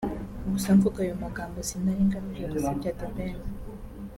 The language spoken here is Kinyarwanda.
Gusa mvuga ayo magambo sinari ngamije gusebya The Ben